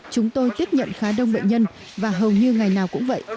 chúng tôi tiếp nhận khá đông bệnh nhân và hầu như ngày nào cũng vậy